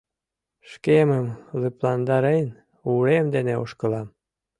Шкемым лыпландарен, урем дене ошкылам.